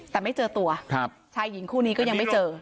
แต่ไม่เจอตัวชายหญิงคู่นี้ก็ยังไม่เจอ